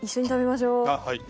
はい。